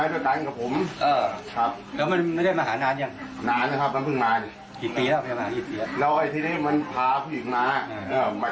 แล้วให้มันรอตรงไหน